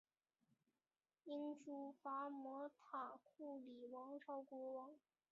鸯输伐摩塔库里王朝国王。